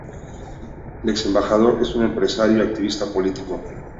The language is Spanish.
El exembajador es un empresario y activista político.